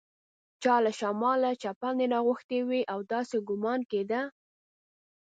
چا له شماله چپنې راغوښتي وې او داسې ګومان کېده.